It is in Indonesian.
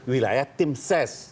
wilayah tim ses